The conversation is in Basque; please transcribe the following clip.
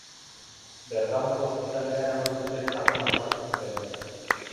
Bergamoko ospitalera eraman zuten eta koman sartu zuten.